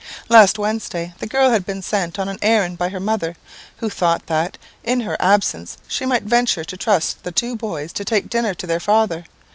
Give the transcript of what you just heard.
"Last Wednesday, the girl had been sent on an errand by her mother, who thought that, in her absence, she might venture to trust the two boys to take the dinner to their father.